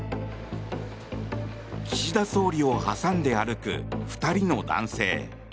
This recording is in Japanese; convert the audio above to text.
岸田総理を挟んで歩く２人の男性。